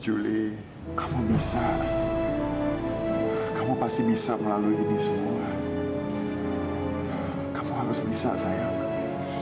juli kamu bisa kamu pasti bisa melalui ini semua kamu harus bisa sayangkan